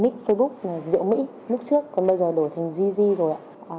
nick facebook là rượu mỹ múc trước còn bây giờ đổi thành gii gii rồi ạ